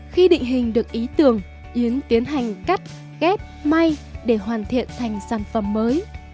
khi định hình được ý tưởng yến tiến hành cắt ghép may để hoàn thiện thành sản phẩm mới